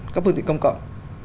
các phương tiện công cộng